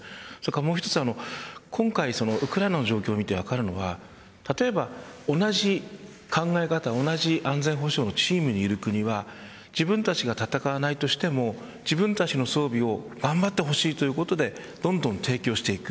もう一つは今回ウクライナ状況を見て分かるのは例えば、同じ考え方同じ安全保障のチームにいる国は自分たちが戦わないとしても自分たちの装備を頑張ってほしいということでどんどん提供していく。